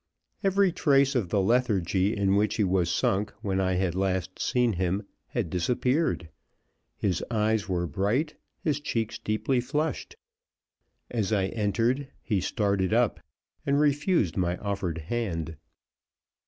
Every trace of the lethargy in which he was sunk when I had last seen him had disappeared. His eyes were bright, his cheeks deeply flushed. As I entered, he started up, and refused my offered hand.